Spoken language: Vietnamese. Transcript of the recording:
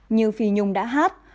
như phi nhung đã hát